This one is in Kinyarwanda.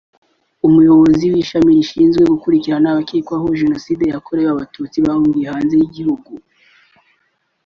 umuyobozi w’ishami rishinzwe gukurirana abakekwaho Jenoside yakorewe Abatutsi bahungiye hanze y’igihugu